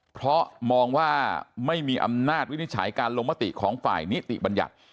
เพราะมองว่าไม่มีอำนาจวินิจฉัยการลงมติของฝ่ายนิติบัญญัติ